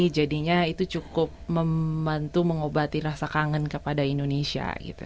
jadinya itu cukup membantu mengobati rasa kangen kepada indonesia